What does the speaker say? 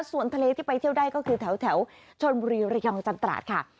ส่วนทะเลที่ไปเที่ยวได้ก็คือแถวชนบุรีระยองจันตราดค่ะ